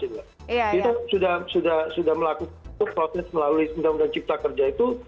kita sudah melakukan prokes melalui tindak mudah cipta kerja itu